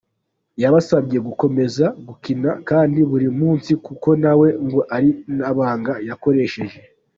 Yabasabye gukomeza gukina kandi buri munsi kuko nawe ngo ari ryo banga yakoresheje.